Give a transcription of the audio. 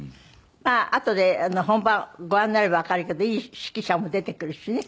まああとで本番ご覧になればわかるけどいい指揮者も出てくるしね。